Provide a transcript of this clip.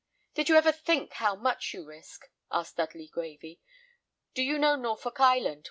"Did you ever think how much you risk?" asked Dudley, gravely. "Do you know Norfolk Island?